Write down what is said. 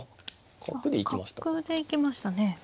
角で行きましたね。